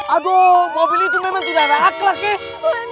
aduh mobil itu memang tidak ada akla kek